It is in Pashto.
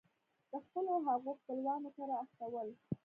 د خپلو هغو خپلوانو کره استول.